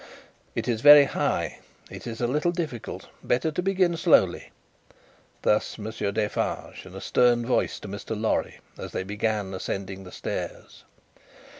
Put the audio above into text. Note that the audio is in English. "It is very high; it is a little difficult. Better to begin slowly." Thus, Monsieur Defarge, in a stern voice, to Mr. Lorry, as they began ascending the stairs.